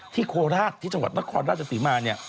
โคราชที่จังหวัดนครราชศรีมาเนี่ย